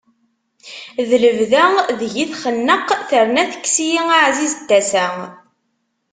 D lebda deg-i txenneq, terna tekkes-iyi aɛziz n tasa.